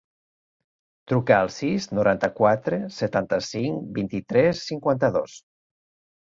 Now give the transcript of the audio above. Truca al sis, noranta-quatre, setanta-cinc, vint-i-tres, cinquanta-dos.